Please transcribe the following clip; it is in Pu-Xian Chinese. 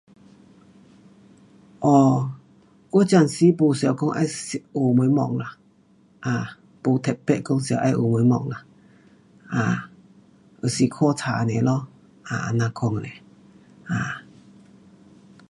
哦，我暂时没想讲要有什么，啦，没特别想讲要有什么，啊，就是看书尔咯。啊，怎样款尔，啊。